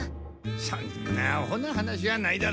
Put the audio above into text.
・そんなアホな話はないだろう。